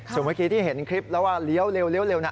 สมมติที่เห็นคลิปแล้วว่าเร็วนะ